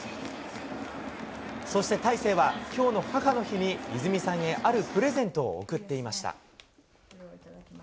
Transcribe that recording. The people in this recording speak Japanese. そして大勢は、きょうの母の日に、いずみさんに、あるプレゼントを贈っていました。